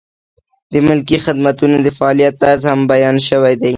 د ملکي خدمتونو د فعالیت طرز هم بیان شوی دی.